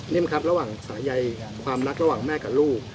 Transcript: ครับระหว่างสายัยความรักระหว่างแม่กับลูก